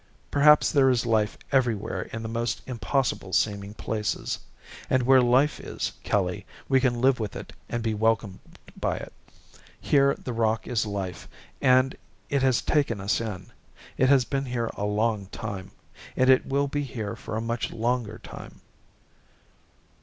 Perhaps there is life everywhere in the most impossible seeming places. And where life is, Kelly, we can live with it and be welcomed by it. Here, this rock is life, and it has taken us in. It has been here a long time. And it will be here for a much longer time."